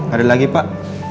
ada lagi pak